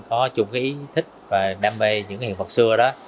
có chung cái ý thích và đam mê những hiện vật xưa đó